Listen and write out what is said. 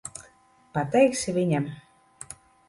Pateiksi viņam?